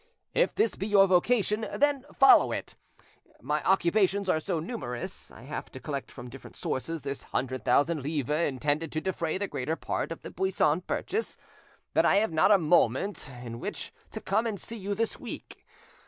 If this be your vocation, then follow it. "My occupations are so numerous (I have to collect from different sources this hundred thousand livres intended to defray the greater part of the Buisson purchase) that I have not a moment in which to come and see you this week.